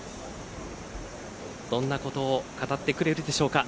どんなことを語ってくれるでしょうか。